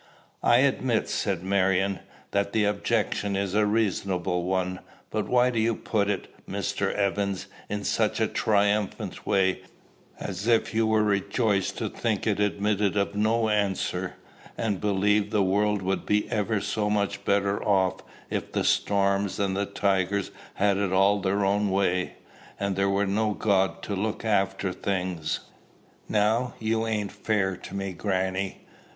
"I admit," said Marion, "that the objection is a reasonable one. But why do you put it, Mr. Evans, in such a triumphant way, as if you were rejoiced to think it admitted of no answer, and believed the world would be ever so much better off if the storms and the tigers had it all their own way, and there were no God to look after things." "Now, you ain't fair to me, grannie.